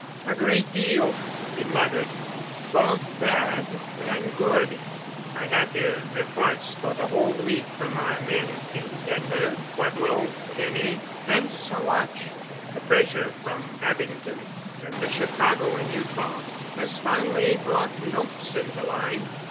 "A great deal," he muttered, "both bad and good. I have here reports for the whole week from our men in Denver, Pueblo, Kinney, and Saguache. The pressure from Abington and the Chicago and Utah has finally brought Noakes into line.